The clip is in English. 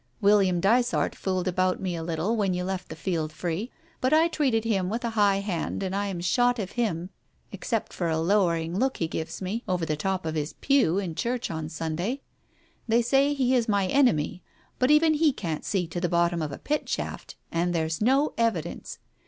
William Dysart fooled about me a little when you left the field free, but I treated hirn with a high hand and I am shot of him except for a lowering look he gives me over the top of his pew, in Church on Sunday. They say he is my enemy, but even he can't see to the bottom of a pit shaft, and there's no evidence.